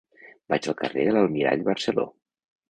Vaig al carrer de l'Almirall Barceló.